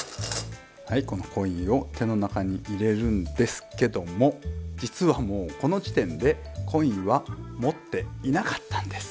はいこのコインを手の中に入れるんですけども実はもうこの時点でコインは持っていなかったんです。